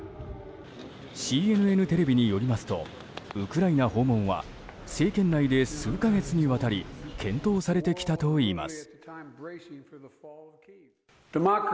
ＣＮＮテレビによりますとウクライナ訪問は政権内で数か月にわたり検討されてきたといいます。